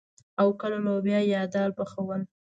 او کله لوبيا يا دال پخول.